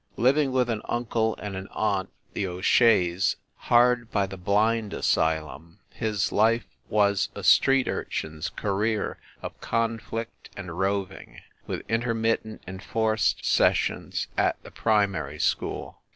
Living with an uncle and an aunt, the O Sheas, hard by the Blind Asylum, his life was a street urchin s career of conflict and rov ing, with intermittent enforced sessions at the pri mary school.